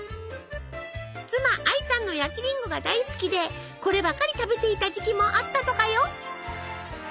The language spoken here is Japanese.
妻アイさんの焼きりんごが大好きでこればかり食べていた時期もあったとかよ。